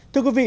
thưa quý vị